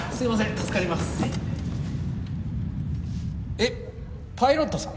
えっパイロットさん！？